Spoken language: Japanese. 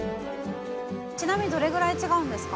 ちなみにどれぐらい違うんですか？